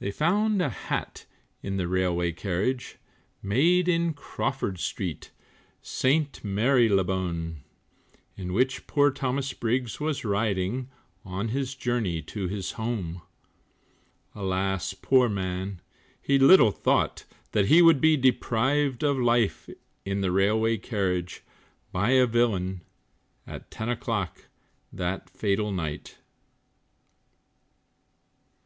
They found a hat in the railway carriage, Made in Crawford street, St. Marylebone, In which poor Thomas Briggs was riding, On his journey to his home; Alas, poor man, he little thought That he would be deprived of life, In the railway carriage, by a villain, At ten o'clock that fatal night.